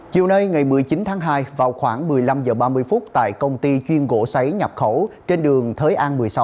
chiều nay ngày một mươi chín tháng hai vào khoảng một mươi năm h ba mươi tại công ty chuyên gỗ sấy nhập khẩu trên đường thới an một mươi sáu